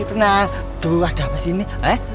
tenang tuh ada apa sih ini eh